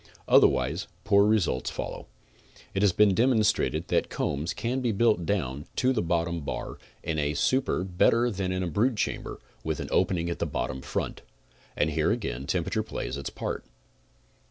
Otherwise poor results follow. It has been demonstrated that combs can be built down to the bottom 12 CONSTRUCTIVE BEEKEEPING bar in a super better than in a brood chamber with an opening at the bottom front, and here again temperature plays its part.